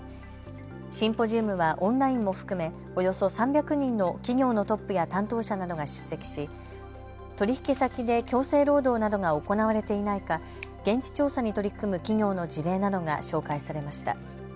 シンポジウムはオンラインも含めおよそ３００人の企業のトップや担当者などが出席し取引先で強制労働などが行われていないか現地調査に取り組む企業の事例などが紹介されました。